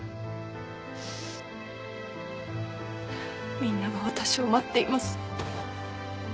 みんなが私を待っています。